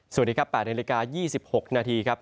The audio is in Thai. สวัสดีครับ๘นาฬิกา๒๖นาทีครับ